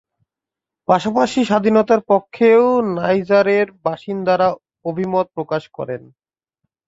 পাশাপাশি স্বাধীনতার পক্ষেও নাইজারের বাসিন্দারা অভিমত প্রকাশ করেন।